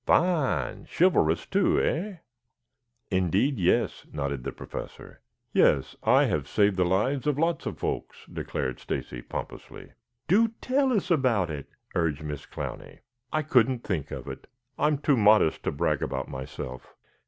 "Fine! Chivalrous, too, eh?" "Indeed, yes," nodded the Professor. "Yes, I have saved the lives of lots of folks," declared Stacy pompously. "Do tell us about it," urged Miss Clowney. "I couldn't think of it. I'm too modest to brag about myself."